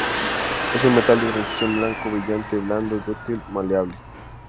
Es un metal de transición blanco, brillante, blando, dúctil, maleable.